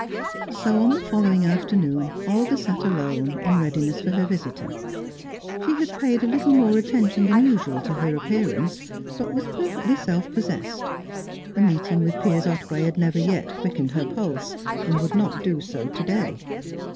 So, on the following afternoon, Olga sat alone, in readiness for her visitor. She had paid a little more attention than usual to her appearance, but was perfectly self possessed; a meeting with Piers Otway had never yet quickened her pulse, and would not do so to day.